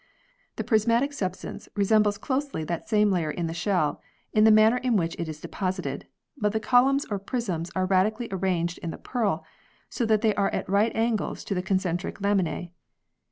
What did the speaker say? The prismatic substance resembles closely that same layer in the shell, in the manner in which it is deposited, but the columns or prisms are radially arranged in the pearl so that they are at right angles to the concentric laminae.